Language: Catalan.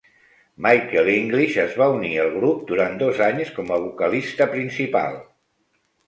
Michael English es va unir al grup durant dos anys com a vocalista principal.